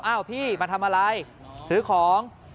พี่มาทำอะไรซื้อของ